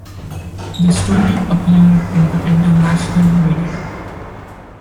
The story appeared in the international media.